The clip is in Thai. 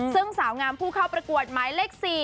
ซึ่งสาวงามผู้เข้าประกวดหมายเลข๔